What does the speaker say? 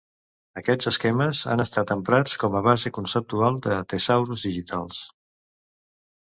Aquests esquemes han estat emprats com a base conceptual de tesaurus digitals.